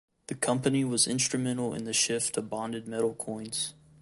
The company was instrumental in the shift to bonded metal coins.